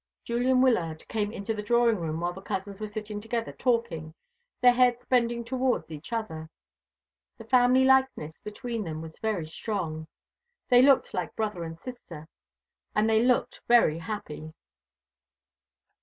Julian Wyllard came into the drawing room while the cousins were sitting together talking, their heads bending towards each other. The family likeness between them was very strong. They looked like brother and sister; and they looked very happy.